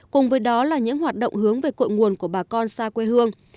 cùng với đó là những hoạt động hướng về cội nguồn của bà con xa quê hương